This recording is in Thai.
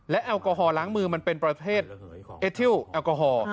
และแอลกอฮอลล้างมือมันเป็นประเภทเอทิลแอลกอฮอล์